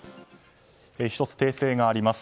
１つ訂正があります。